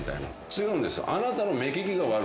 違うんです。